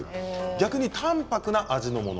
逆に淡泊な味のもの